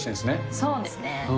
そうですね。